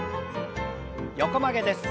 横曲げです。